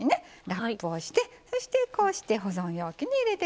ラップをしてそしてこうして保存容器に入れて下さい。